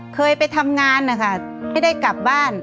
เคยไปทำงานค่ะไม่ได้กลับบ้าน